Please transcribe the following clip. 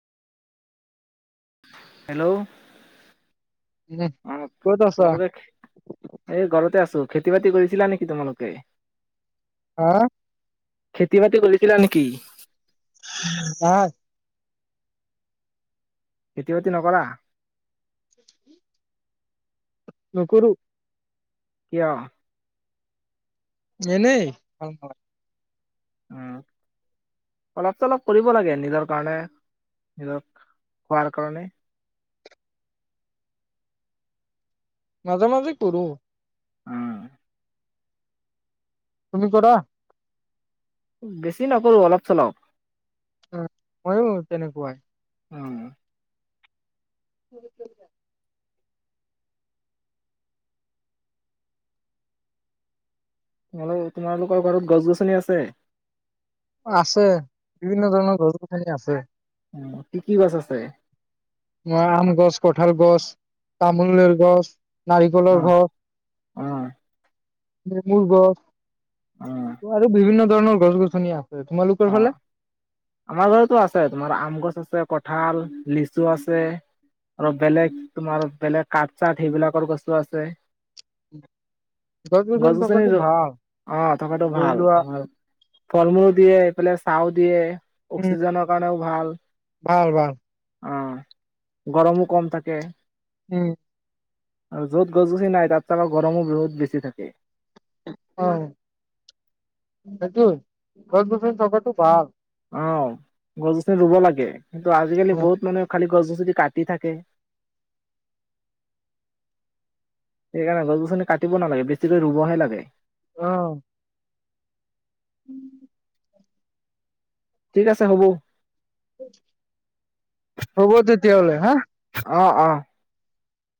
Hello. উম, অ' ক'ত আছা? তোমালোকে, এই ঘৰতে আছোঁ। খেতি-বাতি কৰিছিলা নেকি তোমালোকে? হা খেতি-বাতি কৰিছিলা নেকি? [unintelligible] খেতি-বাতি নকৰা? নকৰোঁ। কিয়? এনেই [unintelligible] উম, অলপ চলপ কৰিব লাগে নিজৰ কাৰণে, নিজৰ খোৱাৰ কাৰণে। মাজে-মাজে কৰোঁ। উম। তুমি কৰা। বেছি নকৰোঁ অলপ চলপ। অ', মইয়ো তেনেকুৱাই। উম। [inaudible] [unintelligible] তোমালোকৰ ঘৰত গছ-গছনি আছে? আছে, বিভিন্ন ধৰণৰ গছ-গছনি আছে। উম, কি কি গছ আছে? অ' আম গছ, কঠাল গছ, তামোলেৰ গছ। অ নাৰিকলৰ [unintelligible] অ'। নেমুৰ গছ। অ আৰু বিভিন্ন ধৰণৰ গছ গছনিয়ে অ আমাৰ ঘৰততো আছে তোমাৰ আম গছ আছে আছে কঁঠাল লিচু আছে আৰু বেলেগ তোমাৰ বেলেগ কঠ চাত সেইবিলাকৰ গছো আছে গছ গছনি অ থকাটো ধৰি ভাল লোৱা তমাৰ ফল মূলো দিয়ে বলে চাউ দিয়ে উম, অকসিজেনৰ কাৰণে ভাল ভাল ভাল অ গৰমো কম থাকে উম আৰু য'ত গছ গছনি নাই তাত চাবা গৰমো বহুত বেছি থাকে হয় সেইটো গছ গছনি থকাতটো ভাল অ গছ গছনি ৰুব লাগে কিন্তু আজিকালি বহুত মানুহে খালি গছ গছ কাটি থাকে সেইকাৰণে গছ গছনি কাটিব নালাগে বেছিকৈ ৰুবহে লাগে উম ঠিক আছে হ'ব হ'ব তেতিয়াহলে হা অ অ